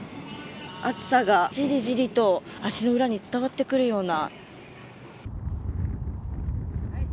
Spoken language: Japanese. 熱さがじりじりと足の裏に伝わってくるような。